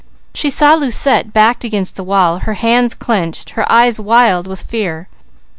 She saw Lucette backed against the wall, her hands clenched, her eyes wild with fear.